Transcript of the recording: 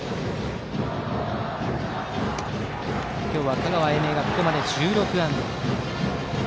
今日は香川・英明がここまで１６安打。